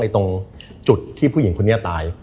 ตรงจุดที่ผู้หญิงคนนี้ตาย